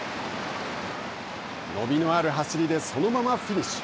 伸びのある走りでそのままフィニッシュ。